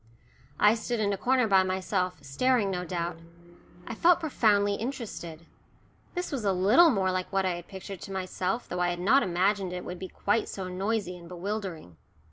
I stood in a corner by myself, staring, no doubt. I felt profoundly interested. This was a little more like what I had pictured to myself, though I had not imagined it would be quite so noisy and bewildering.